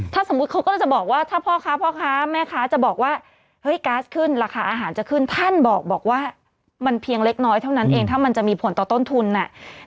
ถ้าสมมุติเขาก็เลยจะบอกว่าถ้าพ่อค้าพ่อค้าแม่ค้าจะบอกว่าเฮ้ยก๊าซขึ้นราคาอาหารจะขึ้นท่านบอกว่ามันเพียงเล็กน้อยเท่านั้นเองถ้ามันจะมีผลต่อต้นทุนอ่ะ